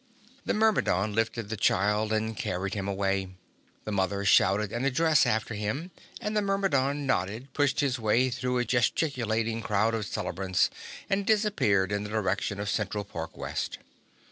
The Myrmidon lifted the child and carried him away. The mother shouted an address after him, and the Myrmidon nodded, pushed his way through a gesticulating group of celebrants and disappeared in the direction of Central Park West.